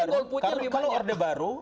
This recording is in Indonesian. kalau orde baru